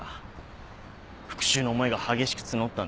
復讐の思いが激しく募ったんでしょう。